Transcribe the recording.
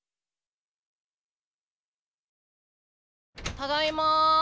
ただいま。